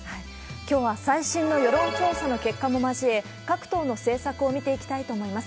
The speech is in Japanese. きょうは最新の世論調査の結果も交え、各党の政策を見ていきたいと思います。